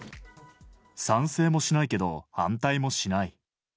賛成もしないけど、反対もしない。